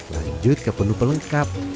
lanjut ke penuh pelengkap